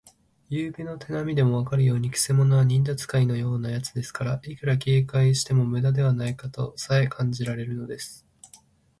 ゆうべの手なみでもわかるように、くせ者は忍術使いのようなやつですから、いくら警戒してもむだではないかとさえ感じられるのです。